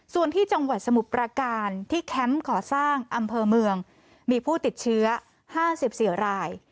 ส่วนที่จังหวัดสมุทรประการที่แคมป์ก่อสร้างอำเภอเมืองมีผู้ติดเชื้อ๕๔ราย